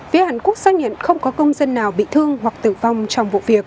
phía hàn quốc xác nhận không có công dân nào bị thương hoặc tử vong trong vụ việc